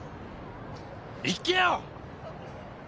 行けよ！